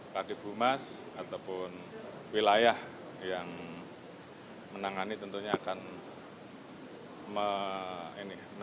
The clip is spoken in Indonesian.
kadif humas ataupun wilayah yang menangani tentunya akan